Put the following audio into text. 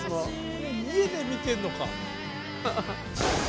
家で見てるのか。